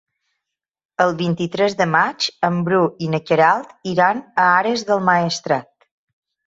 El vint-i-tres de maig en Bru i na Queralt iran a Ares del Maestrat.